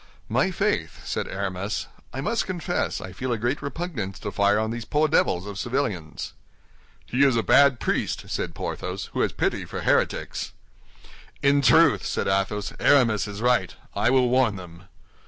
"My faith," said Aramis, "I must confess I feel a great repugnance to fire on these poor devils of civilians." "He is a bad priest," said Porthos, "who has pity for heretics." "In truth," said Athos, "Aramis is right. I will warn them."